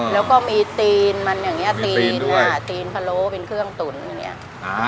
แล้วก็มีตีนมันอย่างนี้ตีนหน้าตีนพะโล้เป็นเครื่องตุ๋นอยู่เนี่ย